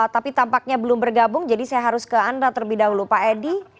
tapi tampaknya belum bergabung jadi saya harus ke anda terlebih dahulu pak edi